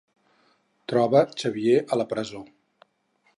Troba Xavier a la presó.